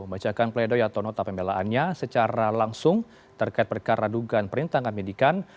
bacakan pleidoi atau nota pembelaannya secara langsung terkait perkara dugaan perintangan pendidikan